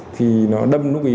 thì nó đâm nút bí